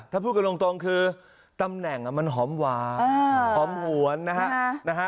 ถ้าพูดกันตรงคือตำแหน่งมันหอมหวานหอมหวนนะฮะ